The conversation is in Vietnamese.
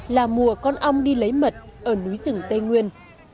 là mùa con ong đi lấy mật ở núi rừng tây nguyên